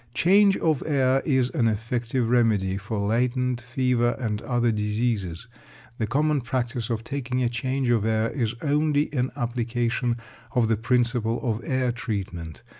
Change of air is an effective remedy for latent fever and other diseases. The common practice of taking a change of air is only an application of the principle of air treatment.